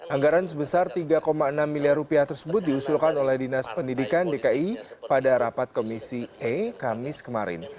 anggaran sebesar tiga enam miliar rupiah tersebut diusulkan oleh dinas pendidikan dki pada rapat komisi e kamis kemarin